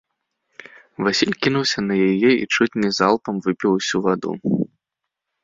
Васіль кінуўся на яе і чуць не залпам выпіў усю ваду.